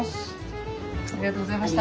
ありがとうございます。